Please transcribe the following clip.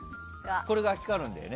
これが光るんだよね。